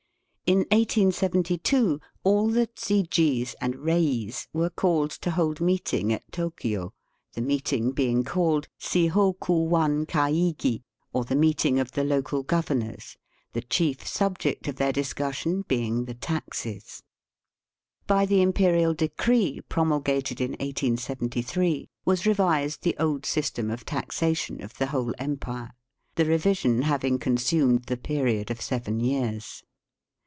Digitized by VjOOQIC 90 EAST BY WEST. In 1872 all the chijis and reis were called to hold meeting at Tokio, the meeting heing called " Chihokuwan Kaigi," or the meeting of the local governors, the chief subject of their discussion being the taxes. By the imperial decree promulgated in 1873 was revised the old system of taxation of the whole empire, the revision having con sumed the period of seven years.